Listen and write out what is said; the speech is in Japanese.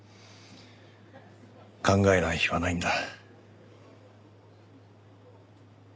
考えない日はないんだ。